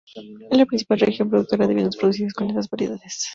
Es la principal región productora de vinos producidos con estas variedades.